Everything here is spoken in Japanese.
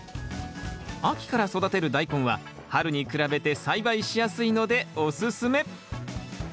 秋から育てるダイコンは春に比べて栽培しやすいのでおすすめ。